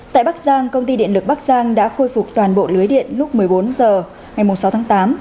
tại bắc giang công ty điện lực bắc giang đã khôi phục toàn bộ lưới điện lúc một mươi bốn h ngày sáu tháng tám